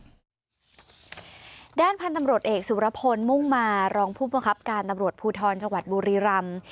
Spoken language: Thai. ด้านพันธุ์ตำรวจเอกสุรพลมุ่งมารองผู้บังคับการตำรวจภูทรจังหวัดบุรีรำ